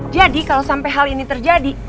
jadi kalo sampe hal ini terjadi